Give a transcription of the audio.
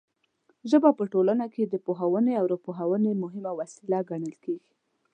ژبه په ټولنه کې د پوهونې او راپوهونې مهمه وسیله ګڼل کیږي.